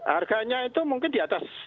harganya itu mungkin di atas